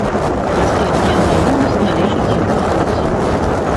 Астатняя маёмасць належыць яго жонцы.